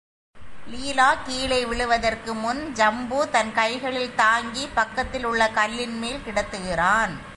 லீலா கீழே விழுவதற்கு முன், ஜம்பு தன் கைகளில் தாங்கிப் பக்கத்தில் உள்ள கல்லின் மேல் கிடத்துகிறான்.